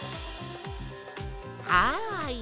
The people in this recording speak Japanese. はい。